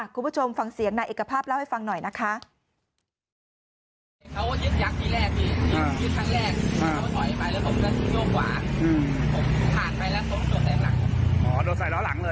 คุณผู้ชมฟังเสียงนายเอกภาพเล่าให้ฟังหน่อยนะคะ